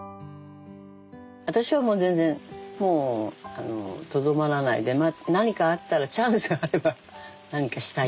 私はもう全然もうとどまらないで何かあったらチャンスがあれば何かしたい。